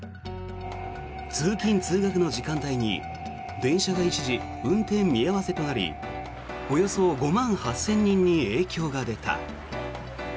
通勤・通学の時間帯に電車が一時、運転見合わせとなりおよそ５万８０００人に影響が出た。